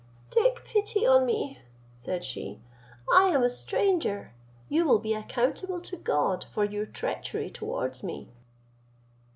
"Take pity on me," said she; "I am a stranger, you will be accountable to God for your treachery towards me."